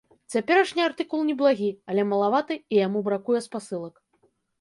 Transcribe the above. Цяперашні артыкул неблагі, але малаваты і яму бракуе спасылак.